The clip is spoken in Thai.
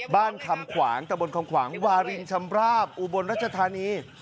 คำขวางตะบนคำขวางวารินชำราบอุบลรัชธานี